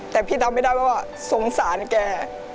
แต่พี่ทำไม่ได้เพราะว่าสงสารแก